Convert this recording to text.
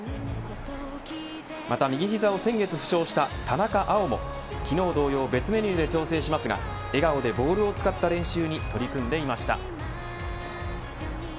また右膝を先月負傷した田中碧も、昨日同様別メニューで調整しますが笑顔でボールを使った練習に取り組んでいました。